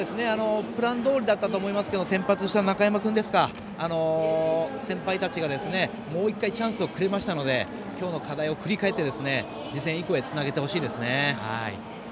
プランどおりだったと思いますけど先発した中山君は先輩たちが、もう１回チャンスをくれましたので今日の課題を振り返って次戦以降につなげてほしいです。